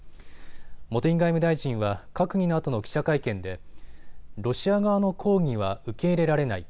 茂木外務大臣は閣議のあとの記者会見でロシア側の抗議は受け入れられない。